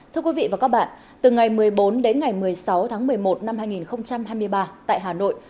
thưa quý vị và các bạn từ ngày một mươi bốn đến ngày một mươi sáu tháng một mươi một năm hai nghìn hai mươi ba tại hà nội